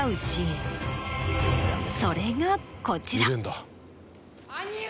それがこちら。